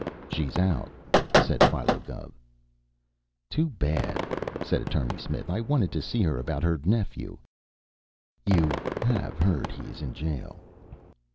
"She's out," said Philo. "Too bad!" said Attorney Smith. "I wanted to see her about her nephew. You have heard he is in jail?"